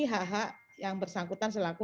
hak hak yang bersangkutan selaku